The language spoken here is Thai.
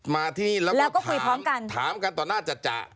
มาที่นี่แล้วก็คุยพร้อมกันแล้วก็ถามกันต่อหน้าจัดจ่ะ